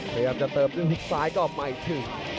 พยายามจะเติมที่หลุดซ้ายก็ออกใหม่ถึง